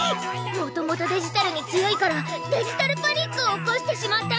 もともとデジタルに強いからデジタルパニックを起こしてしまったのにゃ。